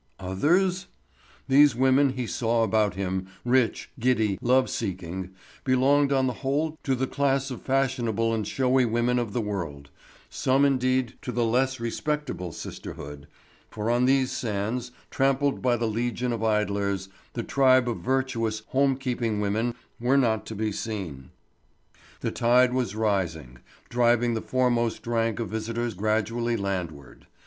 Others? These women he saw about him, rich, giddy, love seeking, belonged on the whole to the class of fashionable and showy women of the world, some indeed to the less respectable sisterhood, for on these sands, trampled by the legion of idlers, the tribe of virtuous, home keeping women were not to be seen. The tide was rising, driving the foremost rank of visitors gradually landward.